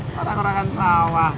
gak ada orang yang sawah